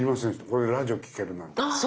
これでラジオを聴けるなんて。